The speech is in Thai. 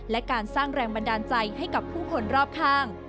และการสร้างแรงบันดาลใจให้กับผู้คนรอบข้าง